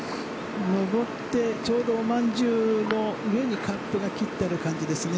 上って、ちょうどおまんじゅうの上にカップが切ってある感じですね。